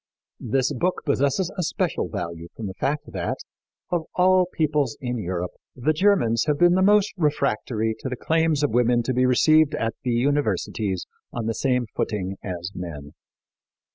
This book possesses a special value from the fact that, of all peoples in Europe, the Germans have been the most refractory to the claims of women to be received at the universities on the same footing as men.